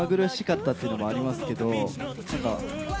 目まぐるしかったっていうのもありますけれど。